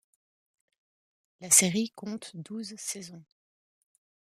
La série compte douze saisons.